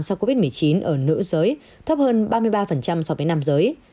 sau covid một mươi chín ở nữ giới thấp hơn ba mươi ba so với nam giới